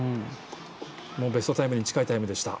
ベストタイムに近いタイムでした。